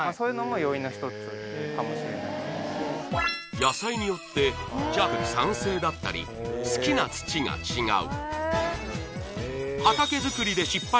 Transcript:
野菜によって弱酸性だったり、好きな土が違う。